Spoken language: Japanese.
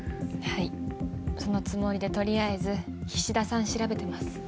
はいそのつもりで取りあえず菱田さん調べてます。